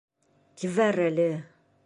Ебәр әле!